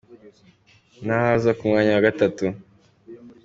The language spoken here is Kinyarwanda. naho aza ku mwanya wa gatatu.